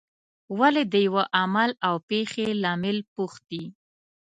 ولې د یوه عمل او پېښې لامل پوښتي.